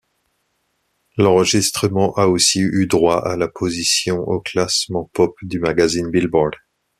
L'enregistrement a aussi eu droit à la position au classement pop du magazine Billboard.